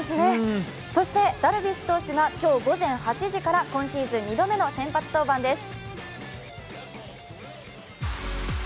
そして、ダルビッシュ投手が今日午前８時から今シーズン２度目の先発登板です。